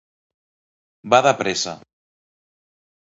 Va de pressa.